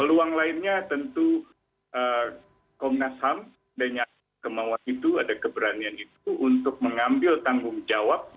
peluang lainnya tentu komnas ham dengan kemauan itu ada keberanian itu untuk mengambil tanggung jawab